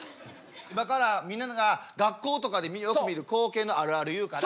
今からみんなが学校とかでよく見る光景のあるある言うから。